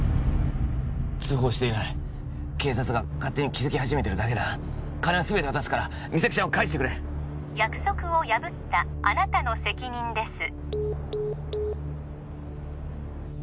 通報していない警察が勝手に気づき始めてるだけだ金はすべて渡すから実咲ちゃんを返してくれ約束を破ったあなたの責任です